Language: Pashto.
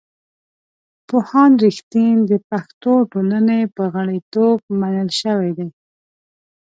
پوهاند رښتین د پښتو ټولنې په غړیتوب منل شوی دی.